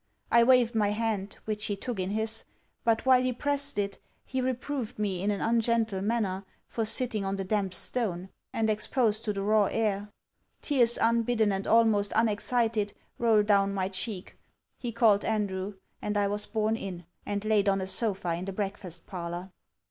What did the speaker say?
I waved my hand, which he took in his; but, while he pressed it, he reproved me in an ungentle manner, for sitting on the damp stone, and exposed to the raw air Tears unbidden and almost unexcited, roll down my cheeks. He called Andrew; and I was borne in, and laid on a sopha in the breakfast parlour.